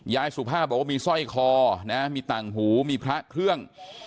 สุภาพบอกว่ามีสร้อยคอนะมีต่างหูมีพระเครื่อง